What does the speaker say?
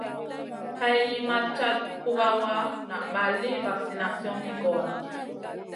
Hay li ma cata pukawa naʼ ma li vaksination mi goora.